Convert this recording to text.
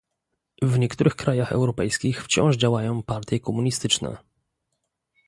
W niektórych krajach europejskich wciąż działają partie komunistyczne